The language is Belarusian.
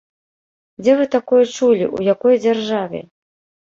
Дзе вы такое чулі, у якой дзяржаве?